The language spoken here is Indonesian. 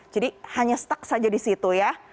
jadi hanya stuck saja di situ ya